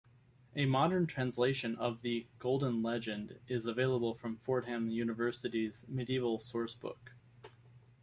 A modern translation of the "Golden Legend" is available from Fordham University's Medieval Sourcebook.